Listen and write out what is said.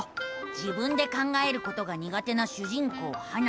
自分で考えることがにが手な主人公ハナ。